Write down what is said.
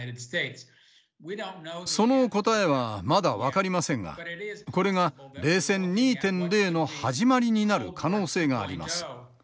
その答えはまだ分かりませんがこれが「冷戦２．０」の始まりになる可能性があります。